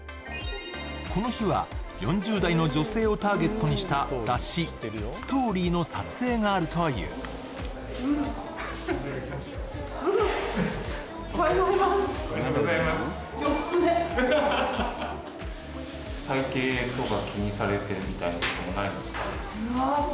この日は４０代の女性をターゲットにした雑誌「ＳＴＯＲＹ」の撮影があるというありがとう